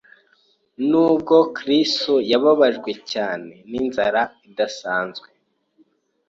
Nubwo Kristo yababajwe cyane n’inzara idasanzwe,